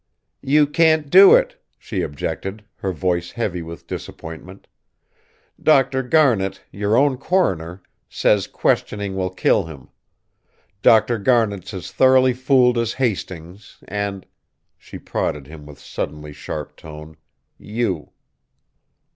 "You can't do it," she objected, her voice heavy with disappointment. "Dr. Garnet, your own coroner, says questioning will kill him. Dr. Garnet's as thoroughly fooled as Hastings, and," she prodded him with suddenly sharp tone, "you."